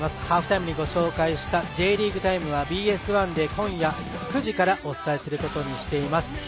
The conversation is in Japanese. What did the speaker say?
ハーフタイムにご紹介した「Ｊリーグタイム」はＢＳ１で今夜９時からお伝えすることにしています。